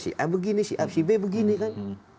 si a begini si b begini kan